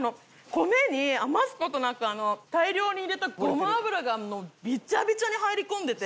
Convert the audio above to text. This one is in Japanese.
米に余す事なく大量に入れたごま油がビチャビチャに入り込んでて。